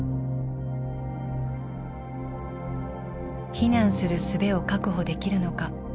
避難するすべを確保できるのか。